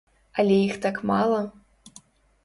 Але іх так мала.